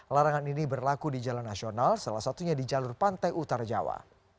larangan ini berlaku di jalan nasional salah satunya di jalur pantai utara jawa